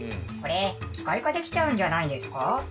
これ機械化できちゃうんじゃないんですか？